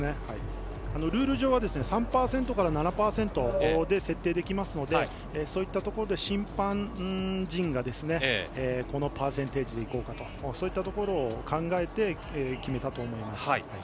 ルール上は３％から７％で設定できますのでそういったところで審判陣がこのパーセンテージでいこうかとそういったところを考えて決めたと思います。